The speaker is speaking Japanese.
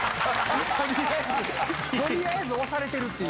取りあえず押されてるっていう。